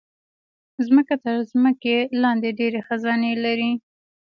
مځکه تر ځمکې لاندې ډېر خزانے لري.